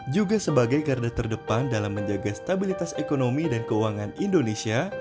juga sebagai garda terdepan dalam menjaga stabilitas ekonomi dan keuangan indonesia